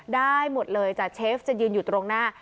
ได้หมดเลยจ้ะเชฟจะยืนอยู่ตรงหน้า